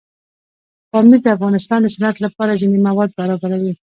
پامیر د افغانستان د صنعت لپاره ځینې مواد برابروي.